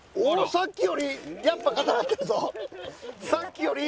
さっきよりやっぱ硬なってるぞ。